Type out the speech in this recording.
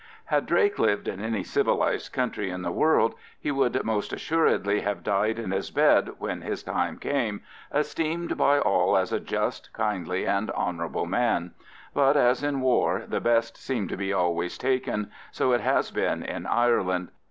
Had Drake lived in any civilised country in the world, he would most assuredly have died in his bed when his time came, esteemed by all as a just, kindly, and honourable man; but, as in war, the best seem to be always taken, so it has been in Ireland.